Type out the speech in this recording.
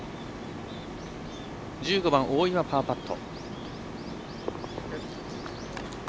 １５番、大岩、パーパット。